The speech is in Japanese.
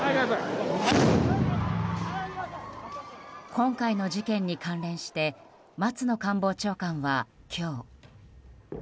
今回の事件に関連して松野官房長官は今日。